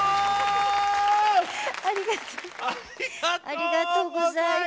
ありがとうございます。